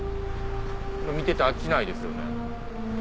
見てて飽きないですよね。